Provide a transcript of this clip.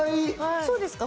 そうですか？